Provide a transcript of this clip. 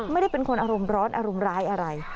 ไม่ได้เป็นคนอารมณ์ร้อนอารมณ์ร้ายอะไร